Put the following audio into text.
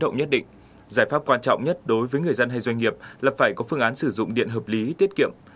nhất định giải pháp quan trọng nhất đối với người dân hay doanh nghiệp là phải có phương án sử dụng điện hợp lý tiết kiệm